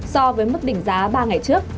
so với mức đỉnh giá ba ngày trước